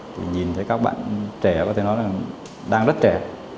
thì nhìn thấy các bạn trẻ có thể nói là đang rất trẻ